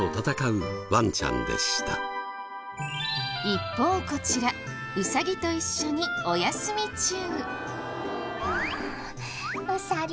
一方こちらウサギと一緒にお休み中。